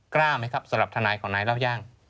กล้าไหมครับสำหรับทนายของนายเล่าย่าง